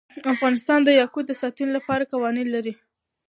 افغانستان د یاقوت د ساتنې لپاره قوانین لري.